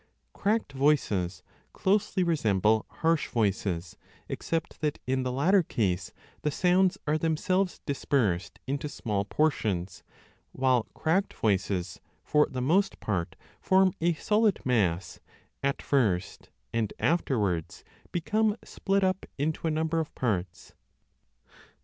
Cracked voices closely resemble harsh voices, except that 5 in the latter case the sounds are themselves dispersed into small portions, while cracked voices, for the most part, form a solid mass at first and afterwards become split up into a number of parts.